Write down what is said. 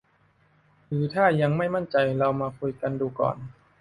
หรือถ้ายังไม่มั่นใจ เรามาคุยกันดูก่อน